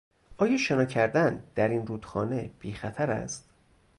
آیا شنا کردن در این رودخانه بیخطر است؟